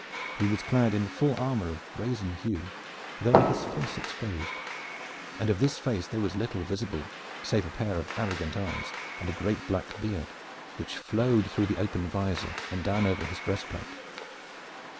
He was clad in full armor of a brazen hue with only his face exposed, and of this face there was little visible save a pair of arrogant eyes and a great black beard, which flowed through the open visor and down over his breastplate.